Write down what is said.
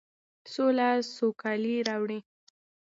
سوله سوکالي راوړي.